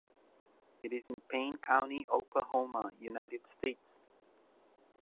It is in Payne County, Oklahoma, United States.